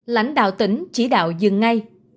lãnh đạo tỉnh chỉ đạo dừng ngay